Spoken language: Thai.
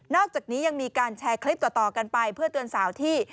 อกจากนี้ยังมีการแชร์คลิปต่อกันไปเพื่อเตือนสาวที่